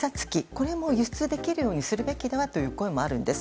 これも輸出できるようにするべきだという声もあるんです。